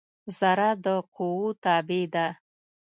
ذره د قوؤ تابع ده.